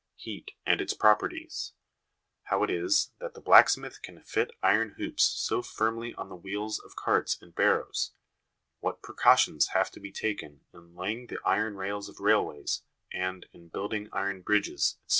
Heat and its properties ; how it is that the blacksmith can fit iron hoops so firmly on the wheels of carts and barrows ; what precautions have to be taken in laying the iron rails of railways and in building iron bridges, etc.